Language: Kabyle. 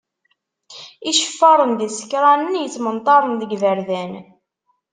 Iceffaren d yisekranen yettmenṭaren deg yiberdan.